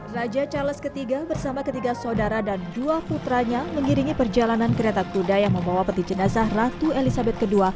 raja charles iii bersama ketiga saudara dan dua putranya mengiringi perjalanan kereta kuda yang membawa peti jenazah ratu elizabeth ii